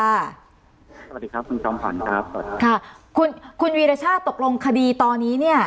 สวัสดีครับคุณจอมขวัญครับสวัสดีค่ะคุณคุณวีรชาติตกลงคดีตอนนี้เนี่ย